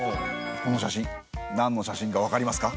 この写真なんの写真かわかりますか？